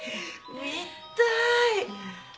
見たーい。